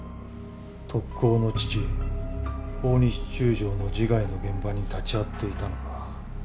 特攻の父大西中将の自害の現場に立ち会っていたのか。